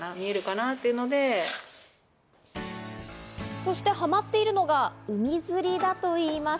そして、はまっているのが海釣りだといいます。